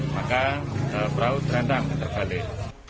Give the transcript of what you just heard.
maka perahu terendam terbalik